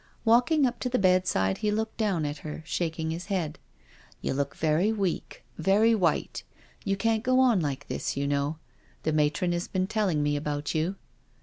Walking up to the bedside, he looked down on her, shaking his head. •* You look very weak — very white — you can't go on like this, you know. The matron has been telling me about you.'